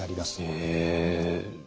へえ。